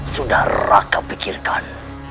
sudah raka pikirkan